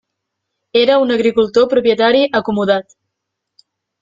Era un agricultor propietari acomodat.